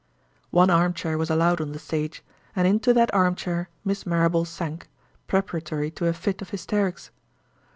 One arm chair was allowed on the stage; and into that arm chair Miss Marrable sank, preparatory to a fit of hysterics.